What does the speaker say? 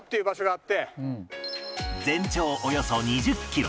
全長およそ２０キロ